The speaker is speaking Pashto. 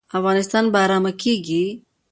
افغانستان به ارام کیږي؟